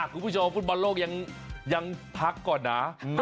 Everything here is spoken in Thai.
คุณผู้ชมฟุตบอลโลกยังพักก่อนนะ